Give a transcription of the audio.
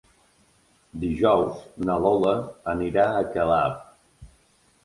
Dijous na Lola anirà a Calaf.